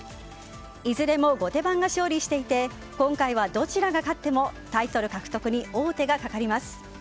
いずれも後手番が勝利していて今回はどちらが勝ってもタイトル獲得に王手がかかります。